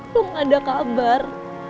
lo gak ada kabar